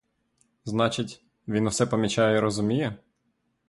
Значить, він усе помічає й розуміє?